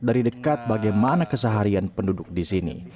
dari dekat bagaimana keseharian penduduk di sini